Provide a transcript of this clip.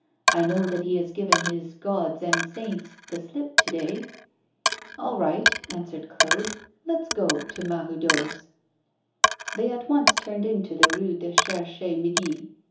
I know that he has given "his gods and saints" the slip to day.' 'All right,' answered Claude. 'Let's go to Mahoudeau's.' They at once turned into the Rue du Cherche Midi.